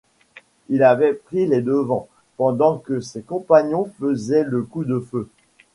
Il avait pris les devants, pendant que ses compagnons faisaient le coup de feu.